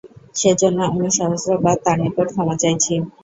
সে-জন্য আমি সহস্রবার তাঁর নিকট ক্ষমা চাইছি।